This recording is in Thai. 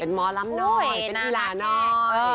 เป็นมลำน้อยเป็นอิหลาน้อย